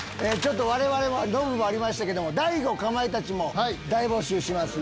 我々はノブはありましたけど大悟かまいたちも大募集します